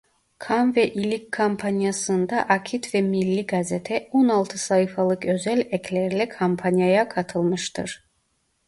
Kan ve ilik kampanyasında "Akit" ve "Millî Gazete" on altı sayfalık özel eklerle kampanyaya katılmıştır.